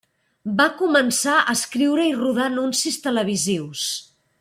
Va començar a escriure i rodar anuncis televisius.